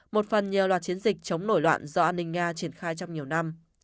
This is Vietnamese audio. một phần nhiều loạt chiến dịch chống nổi loạn do an ninh nga triển khai trong nhiều năm